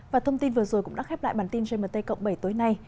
và thông tin vừa rồi cũng đã khép lại bản tin trên mt cộng bảy tối nay